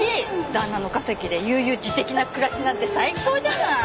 旦那の稼ぎで悠々自適な暮らしなんて最高じゃない。